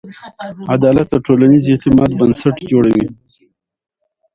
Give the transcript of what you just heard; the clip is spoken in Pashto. عدالت د ټولنیز اعتماد بنسټ جوړوي.